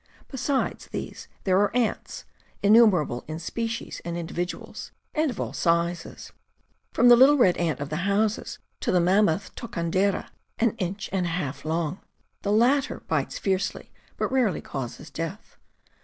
... Besides these there are ants ... innumerable in species and individuals, and of all sizes, from the little red ant of the houses to the mammoth tokandera, an inch and a half long. ... The latter ... bites fiercely, but rarely causes death.